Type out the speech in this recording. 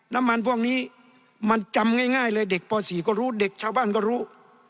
น้ำมันพวกนี้มันจำง่ายง่ายเลยเด็กป่าวสี่ก็รู้เด็กชาวบ้านก็รู้